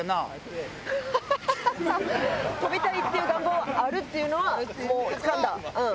跳びたいっていう願望はあるっていうのはもうつかんだ。